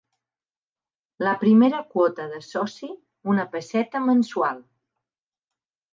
La primera quota de soci: una pesseta mensual.